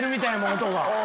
音が。